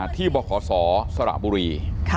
ที่บรขสสระบุรี